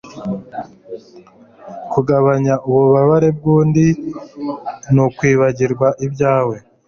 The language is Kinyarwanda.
Kugabanya ububabare bwundi ni ukwibagirwa ibyawe